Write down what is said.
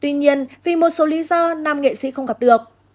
tuy nhiên vì một số lý do nam nghệ sĩ không gặp được